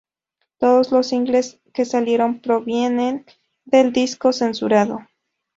Todos los singles que salieron provienen del disco censurado.